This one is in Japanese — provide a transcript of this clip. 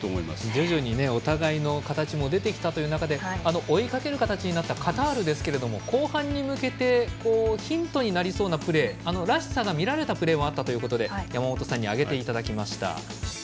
徐々にお互いの形も出てきた中で追いかける形になったカタールですけど後半に向けてヒントになりそうなプレーらしさが見られたプレーもあったということで山本さんに挙げていただきました。